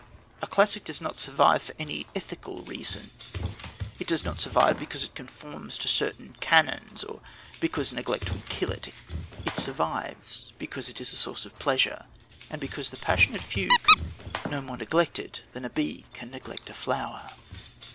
A classic does not survive for any ethical reason. It does not survive because it conforms to certain canons, or because neglect would not kill it. It survives because it is a source of pleasure, and because the passionate few can no more neglect it than a bee can neglect a flower.